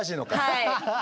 はい。